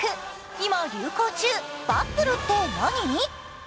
今流行中、バップルって何？